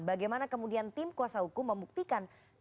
bagaimana kemudian tim kuasa hukum membuktikan